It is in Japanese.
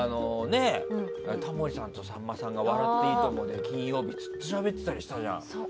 タモリさんとさんまさんが「笑っていいとも！」で金曜日にずっとしゃべってたりしたじゃん。